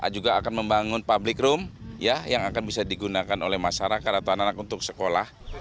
juga mengandeng sejumlah badan usaha milik negara hingga relawan